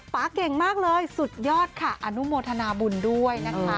เก่งมากเลยสุดยอดค่ะอนุโมทนาบุญด้วยนะคะ